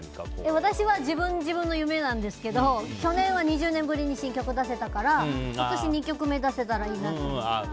私は、自分の夢なんですけど去年は２０年ぶりに新曲を出せたから今年２曲目出せたらいいなと。